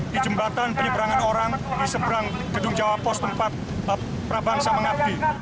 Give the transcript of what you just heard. di jembatan penyeberangan orang di seberang gedung jawa pos tempat prabangsa mengabdi